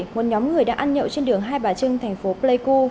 một nhóm người đã ăn nhậu trên đường hai bà trưng thành phố pleiku